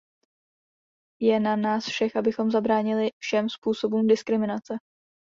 Je na nás všech, abychom zabránili všem způsobům diskriminace.